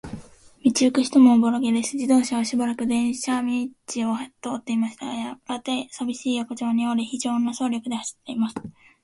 道ゆく人もおぼろげです。自動車はしばらく電車道を通っていましたが、やがて、さびしい横町に折れ、ひじょうな速力で走っています。